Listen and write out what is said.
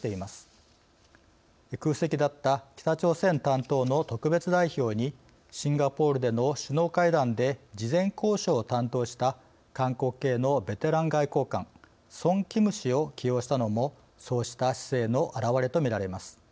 空席だった北朝鮮担当の特別代表にシンガポールでの首脳会談で事前交渉を担当した韓国系のベテラン外交官ソン・キム氏を起用したのもそうした姿勢の表れとみられます。